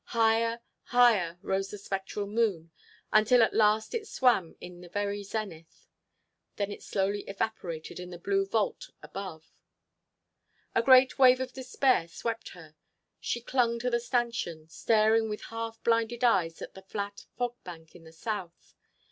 Higher, higher rose the spectral moon until at last it swam in the very zenith. Then it slowly evaporated in the blue vault above. A great wave of despair swept her; she clung to the stanchion, staring with half blinded eyes at the flat fog bank in the south.